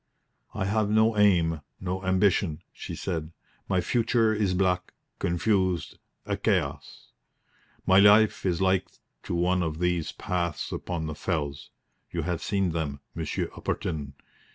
"I have no aim, no ambition," she said. "My future is black confused a chaos. My life is like to one of these paths upon the fells. You have seen them, Monsieur Upperton.